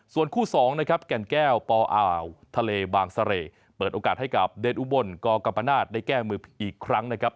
ส่วนคู่๒นะครับแก่นแก้วปอ่าวทะเลบางเสร่เปิดโอกาสให้กับเดชอุบลกกัมปนาศได้แก้มืออีกครั้งนะครับ